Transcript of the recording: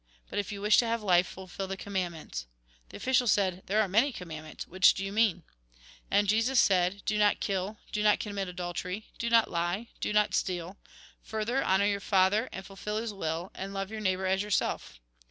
But, if you wish to have life fulfil the commandments." The official said :" There are many command ments ; which do you mean ?" And Jesus said :" Do not kill, adultery, Do not lie. Do not steal, your Father, and fulfil His will ; neighbour as yourself."